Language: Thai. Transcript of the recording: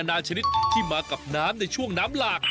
นาชนิดที่มากับน้ำในช่วงน้ำหลาก